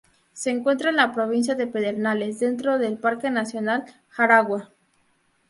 Se encuentra en la provincia de Pedernales, dentro del Parque nacional jaragua.